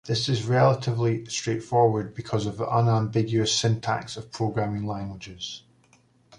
This is relatively straightforward because of the unambiguous syntax of programming languages.